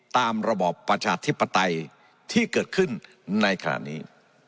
ระบอบประชาธิปไตยที่เกิดขึ้นในขณะนี้